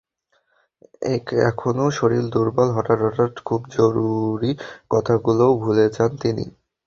এখনো শরীর দুর্বল, হঠাৎ হঠাৎ খুব জরুরি কথাগুলোও ভুলে যান তিনি।